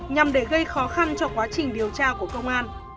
nhằm để gây khó khăn cho quá trình điều tra của công an